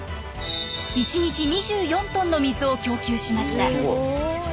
１日２４トンの水を供給しました。